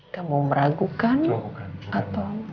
kamu meragukan atau